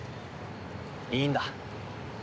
いいんだ。